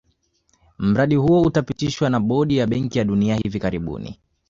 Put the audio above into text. Mradi huo utapitishwa na bodi ya benki ya dunia hivi karibuni